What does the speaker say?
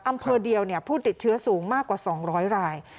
อำเภอเดียวผู้ติดเชื้อสูงมากกว่า๒๐๐ราย